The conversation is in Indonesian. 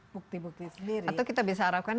bukti bukti sendiri atau kita bisa harapkan